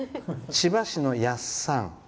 千葉市のやっさん。